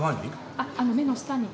あっ目の下に。